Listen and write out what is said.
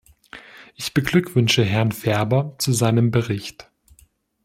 Ich beglückwünsche Herrn Ferber zu seinem Bericht.